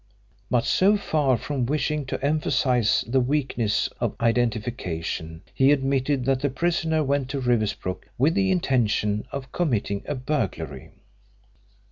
But so far from wishing to emphasise the weakness of identification he admitted that the prisoner went to Riversbrook with the intention of committing a burglary.